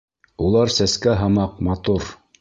Улар сәскә һымаҡ матур...